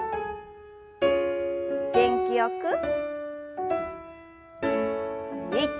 元気よく。